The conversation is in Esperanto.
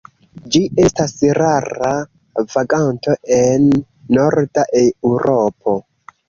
Ĝi estas rara vaganto en norda Eŭropo.